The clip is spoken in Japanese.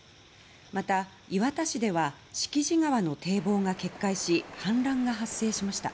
また、磐田市では敷地川の堤防が決壊し氾濫が発生しました。